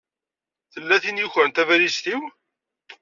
Tella tin yukren tabalizt-iw.